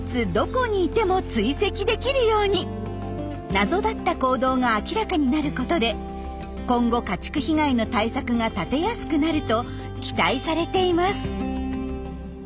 謎だった行動が明らかになることで今後家畜被害の対策が立てやすくなると期待されています。